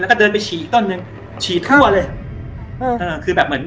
แล้วก็เดินไปฉี่อีกต้นหนึ่งฉี่ทั่วเลยเออเออคือแบบเหมือน